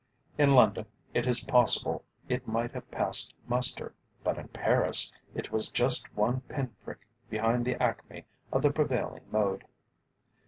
In London, it is possible it might have passed muster, but in Paris it was just one pin prick behind the acme of the prevailing mode.